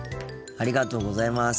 ありがとうございます。